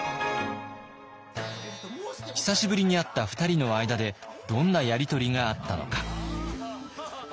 久しぶりに会った２人の間でどんなやり取りがあったのか。